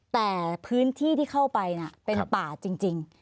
แต่พื้นที่ที่เข้าไปเป็นป่าจริง